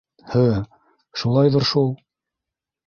Һы, шулайҙыр шул...